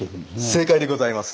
正解でございます。